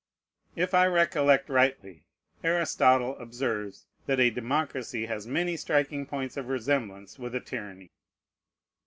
If I recollect rightly, Aristotle observes, that a democracy has many striking points of resemblance with a tyranny.